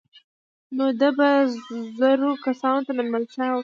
نو ده به زرو کسانو ته مېلمستیا وکړه.